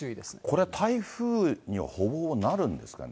これは台風にはほぼなるんですかね。